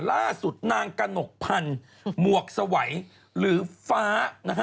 ล่าสุดนางกระหนกพันธ์หมวกสวัยหรือฟ้านะฮะ